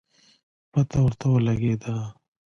پته ورته ولګېده